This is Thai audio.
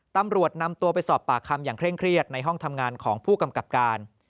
ตำรวจนำตัวไปสอบปากคำอย่างเคร่งเครียดในห้องทำงานของผู้กำกับการ